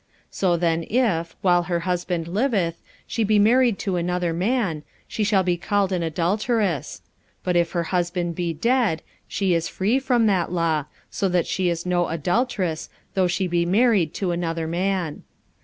45:007:003 So then if, while her husband liveth, she be married to another man, she shall be called an adulteress: but if her husband be dead, she is free from that law; so that she is no adulteress, though she be married to another man.